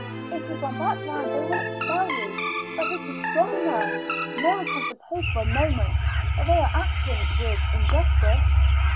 It is on that ground they will expel you, but it is strong enough; no one can suppose for a moment that they are acting with injustice."